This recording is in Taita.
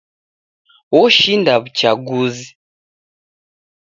Oshinda w'uchaguzi.